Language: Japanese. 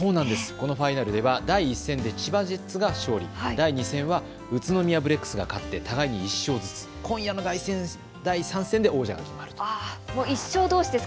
このファイナルでは第１戦で千葉ジェッツが勝利、第２戦では宇都宮ブレックスが勝って１勝ずつ、今夜の第３戦で王者が決まります。